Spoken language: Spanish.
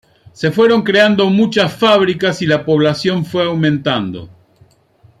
Se fueron creando muchas fábricas y la población fue aumentando.